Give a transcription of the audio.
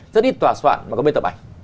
rất ít tòa soạn mà có bên tập ảnh